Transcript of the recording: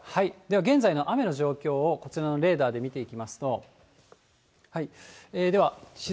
現在の雨の状況を、こちらのレーダーで見てみますと。